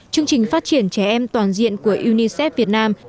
chương trình phát triển trẻ em toàn diện của unicef việt nam